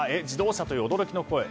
自動車？という驚きの声。